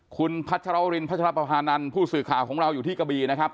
คุณพัชรวรินพัชรปภานันทร์ผู้สื่อข่าวของเราอยู่ที่กะบีนะครับ